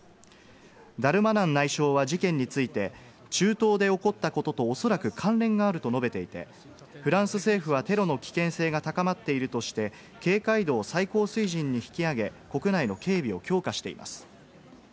ダルマナン内相は事件について、中東で起こったこととおそらく関連があると述べていて、フランス政府はテロの危険性が高まっているとして警戒度を最高水準に引き上げ、国内の警備を強化しています。